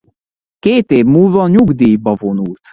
Két év múlva nyugdíjba vonult.